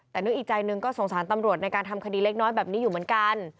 แต่นึกอีกใจหนึ่งก็สงสารตำรวจในการทำคดีเล็กน้อยแบบนี้อยู่เหมือนกัน